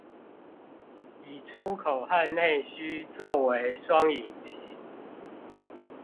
以出口和內需作為雙引擎